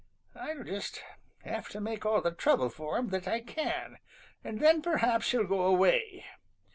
I'll just have to make all the trouble for him that I can, and then perhaps he'll go away.